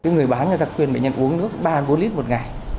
người bán người ta khuyên bệnh nhân uống nước ba bốn lít một ngày